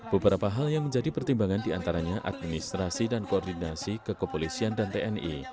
beberapa hal yang menjadi pertimbangan diantaranya administrasi dan koordinasi ke kepolisian dan tni